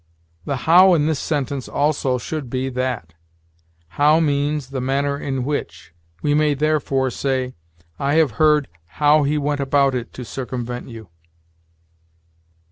The how in this sentence also should be that. How means the manner in which. We may, therefore, say, "I have heard how he went about it to circumvent you."